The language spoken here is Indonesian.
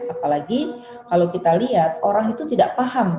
apalagi kalau kita lihat orang itu tidak paham